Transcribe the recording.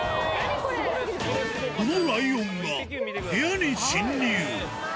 このライオンが部屋に侵入。